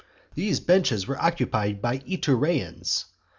these benches were occupied by Itureans.